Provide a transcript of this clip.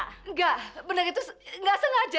enggak benar itu nggak sengaja